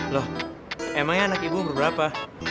loh emangnya anak ibu berapa